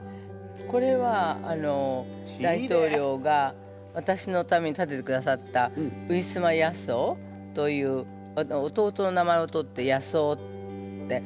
これは大統領が私のために建ててくださったウィスマ・ヤソオという弟の名前を取ってヤソオって。